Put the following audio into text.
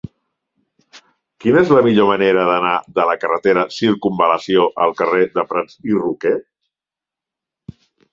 Quina és la millor manera d'anar de la carretera Circumval·lació al carrer de Prats i Roquer?